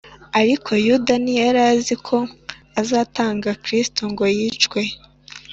ariko yuda ntiyari azi ko azatanga kristo ngo yicwe